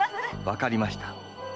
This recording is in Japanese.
わかりました。